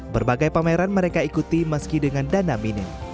berbagai pameran mereka ikuti meski dengan dana minim